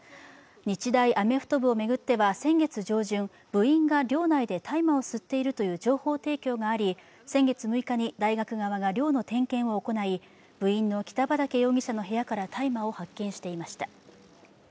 日大アメフト部を巡っては先月上旬、部員が寮内で大麻を吸っているという情報提供があり先月６日に大学側が寮の点検を行い部員の北畠容疑者の部屋から大麻を発見していました。